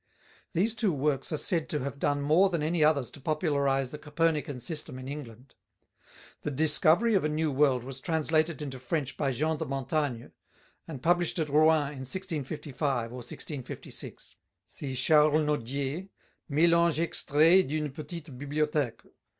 These two works are said to have done more than any others to popularize the Copernican system in England. The Discovery of a New World was translated into French by Jean de Montagne, and published at Rouen in 1655 or 1656. See Charles Nodier, Mélanges extraits d'une petite bibliothèque.